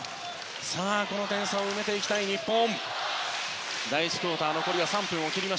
この点差を埋めたい日本。